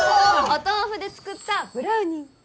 お豆腐で作ったブラウニー